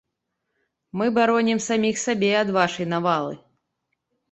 Мы баронім саміх сябе ад вашай навалы.